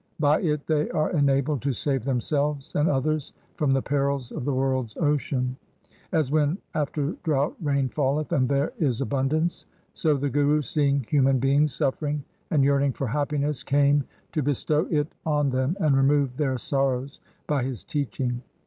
By it they are enabled to save themselves and others from the perils of the world's ocean. As when after drought rain falleth and there is abundance, so the Guru, seeing human beings suffering and yearning for happiness, came to bestow it on them and remove their sorrows by his teaching.